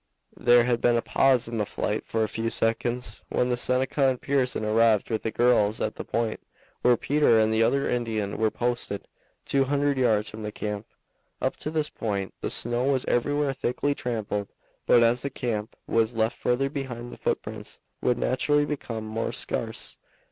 There had been a pause in the flight for a few seconds when the Seneca and Pearson arrived with the girls at the point where Peter and the other Indian were posted, two hundred yards from the camp. Up to this point the snow was everywhere thickly trampled, but as the camp was left further behind the footprints would naturally become more scarce.